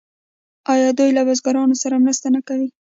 آیا دوی له بزګرانو سره مرسته نه کوي؟